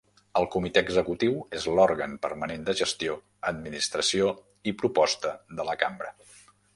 El Comitè Executiu és l'òrgan permanent de gestió, administració i proposta de la Cambra.